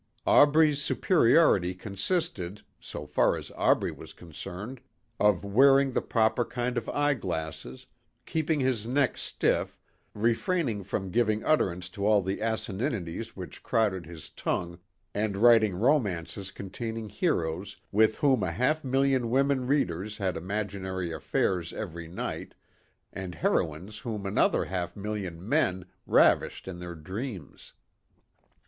Aubrey's superiority consisted, so far as Aubrey was concerned, of wearing the proper kind of eye glasses, keeping his neck stiff, refraining from giving utterance to all the asininities which crowded his tongue and writing romances containing heroes with whom a half million women readers had imaginary affairs every night and heroines whom another half million men ravished in their dreams.